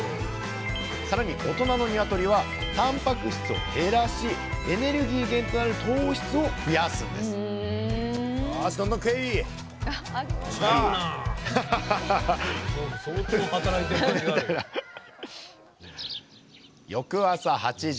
更に大人の鶏はたんぱく質を減らしエネルギー源となる糖質を増やすんです翌朝８時。